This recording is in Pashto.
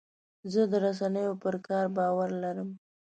زه د رسنیو پر کار باور لرم.